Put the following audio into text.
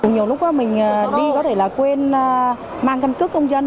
nhiều lúc mình đi có thể là quên mang căn cước công dân